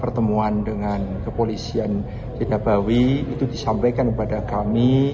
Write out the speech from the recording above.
pertemuan dengan kepolisian di nabawi itu disampaikan kepada kami